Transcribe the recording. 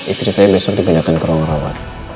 istri saya besok dibingatkan ke ruang rawat